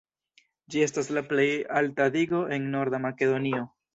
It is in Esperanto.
Ĝi estas la plej alta digo en Norda Makedonio.